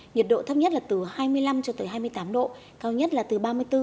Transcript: nhiệt độ thấp nhất là từ hai mươi năm hai mươi tám độ cao nhất là từ ba mươi bốn ba mươi độ